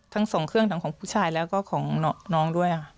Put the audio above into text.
ทั้งสองเครื่องพูดครู้ของผู้ชายแล้วก็น้อง